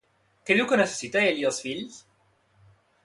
Què diu que necessita ell i els fills?